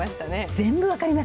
全部分かります。